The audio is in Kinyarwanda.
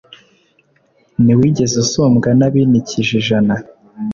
Ntiwigeze usumbwa N’abinikije ijana.